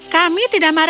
kami tidak marah lagi